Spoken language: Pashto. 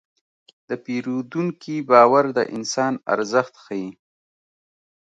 د پیرودونکي باور د انسان ارزښت ښيي.